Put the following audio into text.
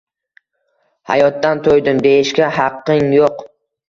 Hayotdan to`ydim, deyishga haqqing yo`q